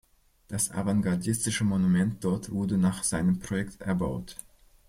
Das avantgardistische Monument dort wurde nach seinem Projekt erbaut.